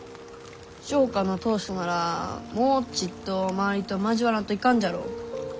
商家の当主ならもうちっと周りと交わらんといかんじゃろう？